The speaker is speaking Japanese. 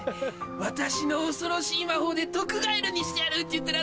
私の恐ろしい魔法で毒ガエルにしてやるって言ったら